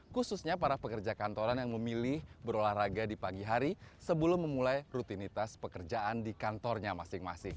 khususnya para pekerja kantoran yang memilih berolahraga di pagi hari sebelum memulai rutinitas pekerjaan di kantornya masing masing